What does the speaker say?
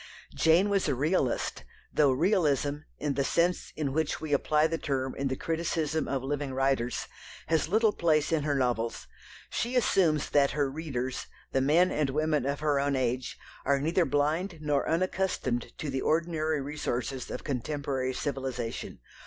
Jane was a realist, though Realism, in the sense in which we apply the term in the criticism of living writers, has little place in her novels. She assumes that her readers the men and women of her own age are neither blind nor unaccustomed to the ordinary resources of contemporary civilization.